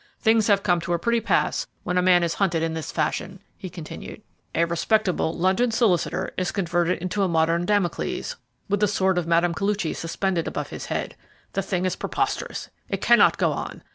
"Things have come to a pretty pass when a man is hunted in this fashion," he continued. "A respectable London solicitor is converted into a modern Damocles, with the sword of Mme. Koluchy suspended above his head. The thing is preposterous; it cannot go on.